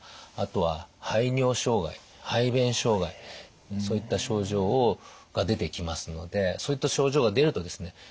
あとは排尿障害排便障害そういった症状が出てきますのでそういった症状が出るとですね